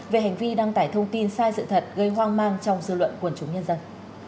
về hành vi đăng tải thông tin sai sự thật gây hoang mang trong dư luận quần chúng nhân dân